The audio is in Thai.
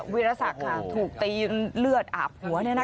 วีรสักษีถูกตีเลือดอาบหัวเนี่ยนะคะ